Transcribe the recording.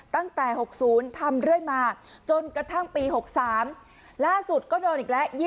ตั้งแต่๖๐ทำเรื่อยมาจนกระทั่งปี๖๓ล่าสุดก็โดนอีกแล้ว